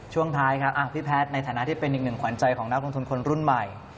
ช่วงท้ายครับพี่แพทย์ในฐานะที่เป็นอีกหนึ่งขวัญใจของนักลงทุนคนรุ่นใหม่